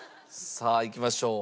さあいきましょう。